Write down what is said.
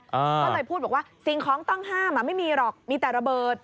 ก็เลยพูดบอกว่าสิ่งของต้องห้ามไม่มีหรอกมีแต่ระเบิด